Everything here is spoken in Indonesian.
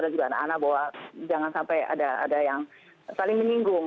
dan juga anak anak bahwa jangan sampai ada yang saling menyinggung